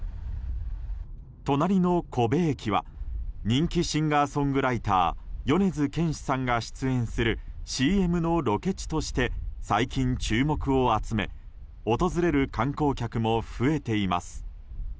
隣の古部駅は人気シンガーソングライター米津玄師さんが出演するＣＭのロケ地として最近、注目を集め訪れる観光客も増えています。